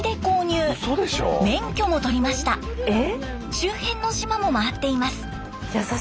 周辺の島も回っています。